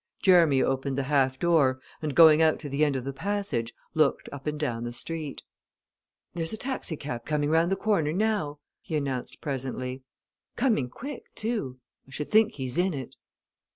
Jerramy opened the half door, and going out to the end of the passage, looked up and down the street. "There's a taxi cab coming round the corner now," he announced presently. "Coming quick, too I should think he's in it."